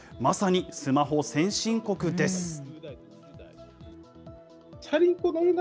まさにスマホ先進国です。